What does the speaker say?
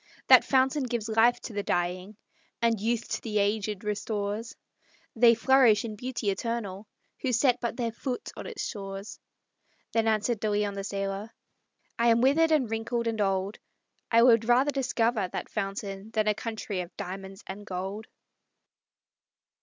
That fountain gives life to the dying, And youth to the aged restores; They flourish in beauty eternal, Who set but their foot on its shores!" Then answered De Leon, the sailor: "I am withered, and wrinkled, and old; I would rather discover that fountain Than a country of diamonds and gold."